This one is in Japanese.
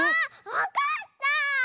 わかった！